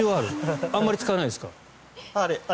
あんまり使わないんですか？